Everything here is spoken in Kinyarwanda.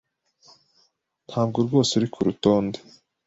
Ntabwo rwose uri kurutonde.